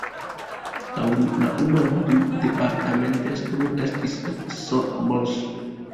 La unua departementestro estis "Szabolcs".